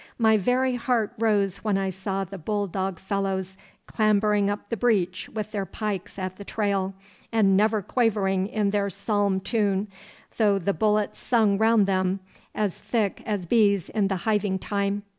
My very heart rose when I saw the bull dog fellows clambering up the breach with their pikes at the trail, and never quavering in their psalm tune, though the bullets sung around them as thick as bees in the hiving time.